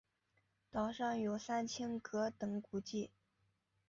岛上有三清阁等古迹。